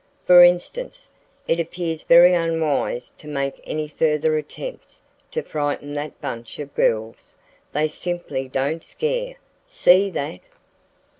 For instance, it appears very unwise to make any further attempts to frighten that bunch of girls. They simply don't scare. See that?"